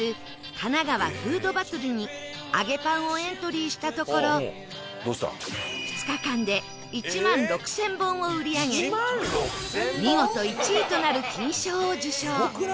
神奈川フードバトルにあげぱんをエントリーしたところ２日間で１万６０００本を売り上げ見事１位となる金賞を受賞